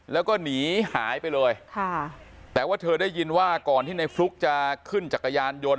แล้วก็หนีหายไปเลยค่ะแต่ว่าเธอได้ยินว่าก่อนที่ในฟลุ๊กจะขึ้นจักรยานยนต์